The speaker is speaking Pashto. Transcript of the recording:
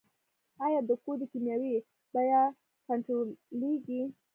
آیا د کود کیمیاوي بیه کنټرولیږي؟